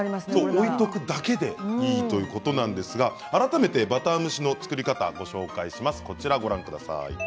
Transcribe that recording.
置いておくだけでいいということですが、改めてバター蒸しの作り方をご紹介します。